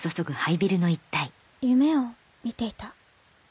夢を見ていた